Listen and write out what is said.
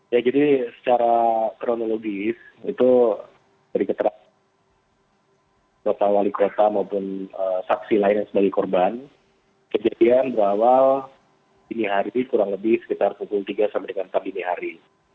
ya jadi secara kronologis itu dari keterangan bapak wali kota maupun saksi lain yang sebagai korban kejadian berawal dini hari kurang lebih sekitar pukul tiga sampai dengan empat dini hari